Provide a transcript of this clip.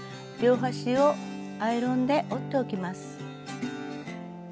両端をアイロンで折っておきます。